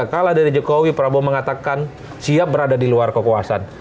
kalah dari jokowi prabowo mengatakan siap berada di luar kekuasaan